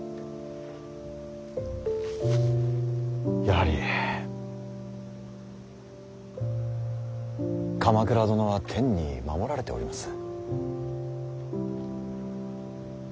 やはり鎌倉殿は天に守られております。